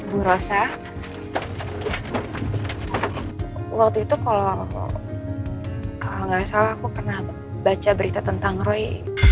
bu rosa waktu itu kalau nggak salah aku pernah baca berita tentang roy